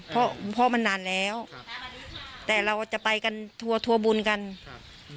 เพราะเพราะมันนานแล้วครับแต่เราจะไปกันทัวร์ทัวร์บุญกันครับ